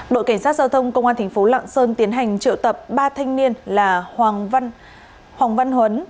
đội cảnh sát giao thông công an thành phố lạng sơn tiến hành triệu tập ba thanh niên là hoàng văn huấn